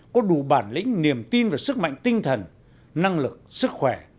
có đủ bản lĩnh niềm tin và sức mạnh tinh thần năng lực sức khỏe